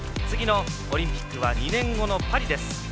次のオリンピックは２年後のパリです。